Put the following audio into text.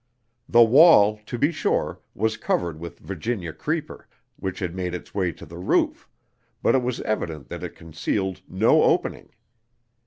The wall, to be sure, was covered with Virginia creeper, which had made its way to the roof, but it was evident that it concealed no opening.